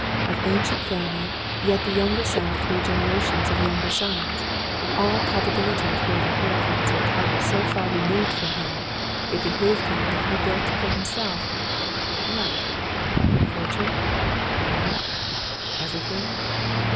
Of ancient family, yet the younger son of three generations of younger sons, all prob ability of great inheritance or title so far removed from him, it behooved that he build for himself — what.f^ Fortune, name, everything.